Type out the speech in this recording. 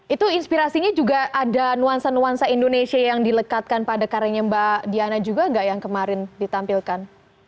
itu inspirasinya juga ada nuansa nuansa indonesia yang dilekatkan pada karyanya mbak diana juga nggak yang kemarin ditampilkan